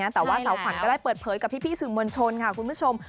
แต่ว่าสาวขวัญก็ได้เปิดเผยกับพี่สื่อมวลชนค่ะคุณผู้ชม